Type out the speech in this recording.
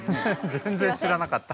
全然知らなかった。